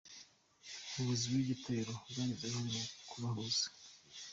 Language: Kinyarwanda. Ubuyobozi bw'iryo torero bwagize uruhare mu kubahuza.